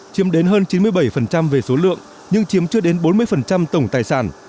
chiếm đến hơn chín mươi bảy về số lượng nhưng chiếm chưa đến bốn mươi tổng tài sản